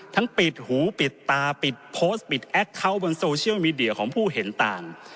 ปิดหูปิดตาปิดโพสต์ปิดแอคเคาน์บนโซเชียลมีเดียของผู้เห็นต่าง